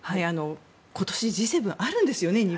今年Ｇ７が日本であるんですよね。